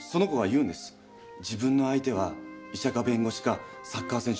自分の相手は医者か弁護士かサッカー選手だけなんだって。